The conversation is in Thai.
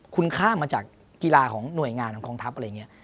คุณค่ามาจากกีฬาของหน่วยงานของกองทัพอะไรอย่างนี้